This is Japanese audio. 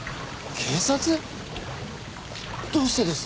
警察⁉どうしてです？